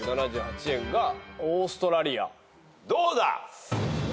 どうだ？